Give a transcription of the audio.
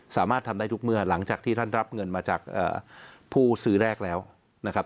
สามารถทำได้ทุกเมื่อหลังจากที่ท่านรับเงินมาจากผู้ซื้อแรกแล้วนะครับ